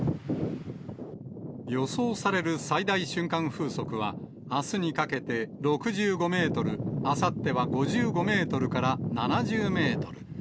予想される最大瞬間風速は、あすにかけて６５メートル、あさっては５５メートルから７０メートル。